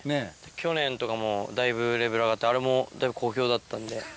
去年とかもだいぶ、レベル上がって、あれもだいぶ好評だったんで。